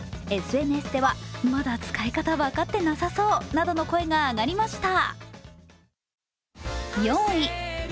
ＳＮＳでは、まだ使い方分かってなさそうなどの声が上がりました。